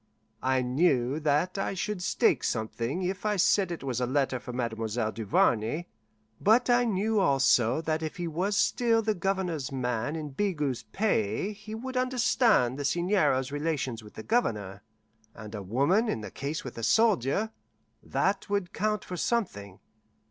I knew that I should stake something if I said it was a letter for Mademoiselle Duvarney, but I knew also that if he was still the Governor's man in Bigot's pay he would understand the Seigneur's relations with the Governor. And a woman in the case with a soldier that would count for something.